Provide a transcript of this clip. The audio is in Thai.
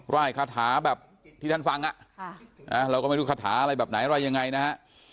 ไล่คาถาแบบที่ท่านฟังเราก็ไม่รู้คาถาอะไรแบบไหนอะไรยังไงนะฮะ